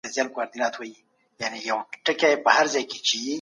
هر وګړی د خپل هیواد په جوړولو کي مسوولیت لري.